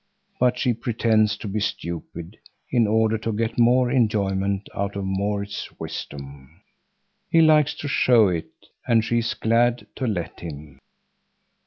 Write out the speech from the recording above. But she pretends to be stupid, in order to get more enjoyment out of Maurits's wisdom. He likes to show it, and she is glad to let him.